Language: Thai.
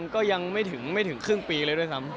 ก็ยังไม่ถึงครึ่งปีเลยด้วยซ้ำ